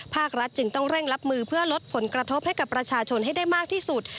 ภาครัฐจึงต้องเร่งรับมือเพื่อลดผลกระทบให้กับประชาชนให้ได้มากที่สุด